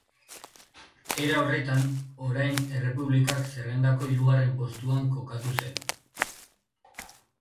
Era horretan, Orain Errepublikak zerrendako hirugarren postuan kokatu zen.